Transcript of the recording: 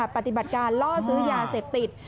ปฏิบัติการล่อซื้อยาเสพติด